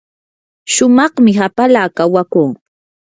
shumaqmi hapala kawakuu.